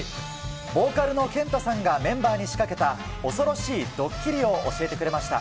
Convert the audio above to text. ボーカルのＫＥＮＴＡさんがメンバーに仕掛けた、恐ろしいドッキリを教えてくれました。